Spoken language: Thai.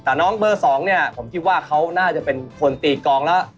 แต่น้องเบอร์๒เนี่ยผมคิดว่าเขาน่าจะเป็นคนตีกองแล้ว